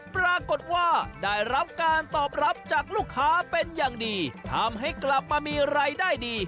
ปรากฏว่าได้รับการตอบรับจากลูกค้าเป็นอย่างดีทำให้กลับมามีรายได้ดี